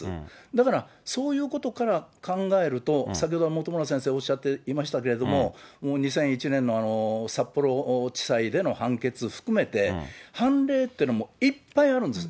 だから、そういうことから考えると、先ほど本村先生おっしゃっていましたけれども、もう２００１年の札幌地裁での判決含めて、判例っていうのもいっぱいあるんです。